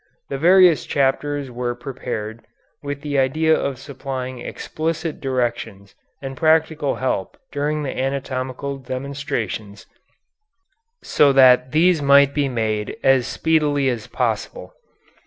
The various chapters were prepared with the idea of supplying explicit directions and practical help during the anatomical demonstrations, so that these might be made as speedily as possible.